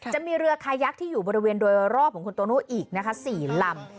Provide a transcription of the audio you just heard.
จะมีเรือคายักษ์ที่อยู่บริเวณโดยรอบของคุณโตโน่อีกนะคะ๔ลำ